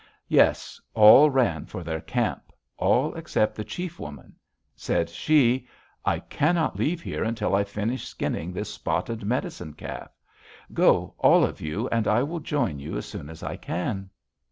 Yes, all ran for their camp, all except the chief woman. Said she: 'I cannot leave here until I finish skinning this spotted medicine calf. Go, all of you, and I will join you as soon as I can.'